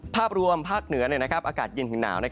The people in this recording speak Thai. ภาพรวมภาคเหนืออากาศเย็นถึงหนาว